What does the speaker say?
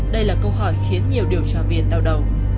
đây là câu hỏi khiến nhiều điều tra viên đau đầu